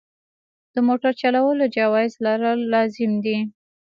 د موټر چلولو جواز لرل لازم دي.